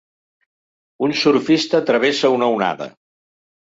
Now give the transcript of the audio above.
Un surfista travessa una onada.